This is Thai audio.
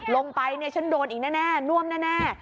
ลงไปฉันโดนอีกแน่น่วมแน่